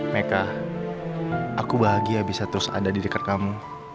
mereka aku bahagia bisa terus ada di dekat kamu